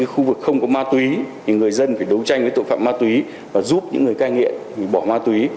khu vực không có ma túy thì người dân phải đấu tranh với tội phạm ma túy và giúp những người cai nghiện bỏ ma túy